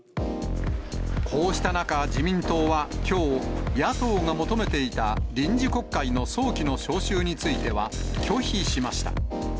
こうした中、自民党はきょう、野党が求めていた臨時国会の早期の召集については、拒否しました。